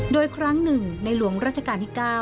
โดยครั้งหนึ่งในหลวงราชการที่๙